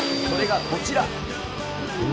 それがこちら。